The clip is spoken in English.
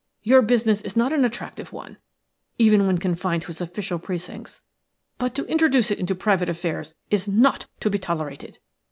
Your business is not an attractive one, even when confined to its official precincts; but to introduce it into private affairs is not to be tolerated.